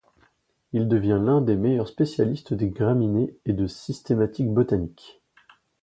Il devient l'un des meilleurs spécialistes des graminées et de systématique botanique.